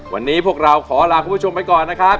วันนี้พวกเราขอลาคุณผู้ชมไปก่อนนะครับ